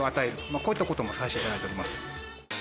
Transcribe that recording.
こういったこともさせていただいてます。